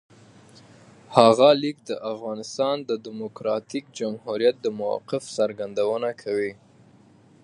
هغه لیک د افغانستان د دموکراتیک جمهوریت د موقف څرګندونه کوي.